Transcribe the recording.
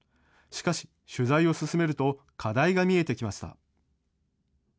しかし、取材を進めると、課題が見えてきました。